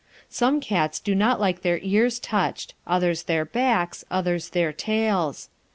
Some cats do not like their ears touched, others their backs, others their tails.